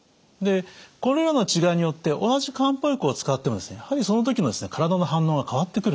これらの違いによって同じ漢方薬を使ってもやはりその時の体の反応が変わってくるんです。